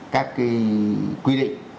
các quy định